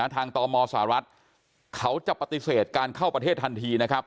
ตมสหรัฐเขาจะปฏิเสธการเข้าประเทศทันทีนะครับ